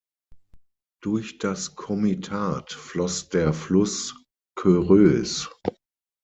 Durch das Komitat floss der Fluss Körös.